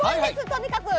とにかく！